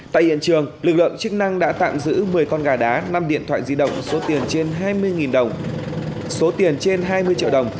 tại hiện trường lực lượng chức năng đã tạm giữ một mươi con gà đá năm điện thoại di động số tiền trên hai mươi triệu đồng